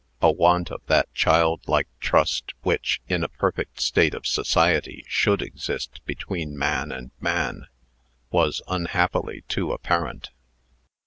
A want of that childlike trust which, in a perfect state of society should exist between man and man, was unhappily too apparent.